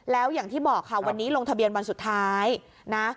แล้วอย่างที่บอกค่ะวันนี้ลงทะเบียนวันสุดท้ายนะ